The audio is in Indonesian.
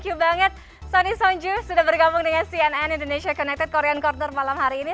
you banget sony sonju sudah bergabung dengan cnn indonesia connected korean corner malam hari ini